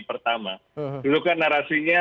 pertama dulu kan narasinya